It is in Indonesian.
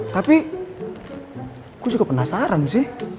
tapi aku juga penasaran sih